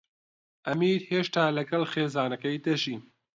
ئەمیر هێشتا لەگەڵ خێزانەکەی دەژی.